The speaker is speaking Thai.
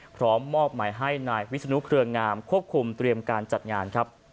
พร้อมมอบหมายให้นายวิศนุเครืองามควบคุมเตรียมการจัดงานครับ